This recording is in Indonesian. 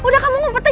bapak tunggu pak